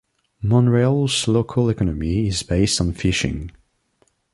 Monreal's local economy is based on fishing.